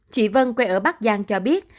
chị vân quê ở bắc giang cho biết